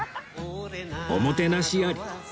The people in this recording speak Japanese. おもてなしあり